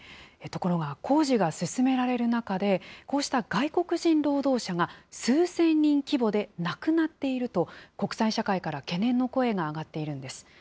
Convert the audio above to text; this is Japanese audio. ところが工事が進められる中で、こうした外国人労働者が数千人規模で亡くなっていると、国際社会から懸念の声が上がっているんです。